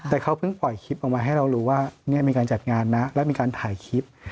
แต่เขาเพิ่งปล่อยคลิปออกมาให้เรารู้ว่ามีการจัดงานนะแล้วมีการถ่ายคลิป